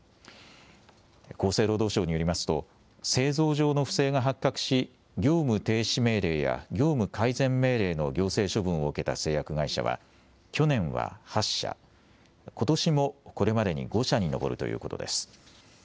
厚生労働省によりますと製造上の不正が発覚し業務停止命令や業務改善命令の行政処分を受けた製薬会社は去年は８社、ことしもこれまでに５社に上るということです。